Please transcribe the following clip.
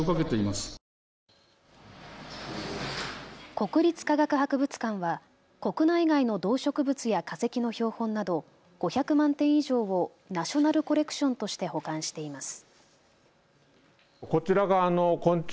国立科学博物館は国内外の動植物や化石の標本など５００万点以上をナショナルコレクションとして保管しています。